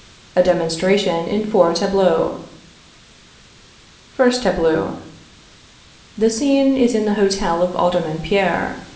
A DEMONSTRATION IN FOUR TABLEAUX. First Tableau. [The scene is in the hotel of Alderman Pierre.